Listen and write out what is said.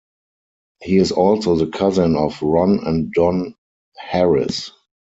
He is also the cousin of Ron and Don Harris.